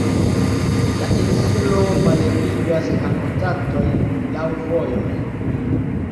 La insulo malebligas la kontaktojn laŭ vojoj.